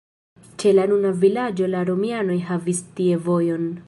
Ĉe la nuna vilaĝo la romianoj havis tie vojon.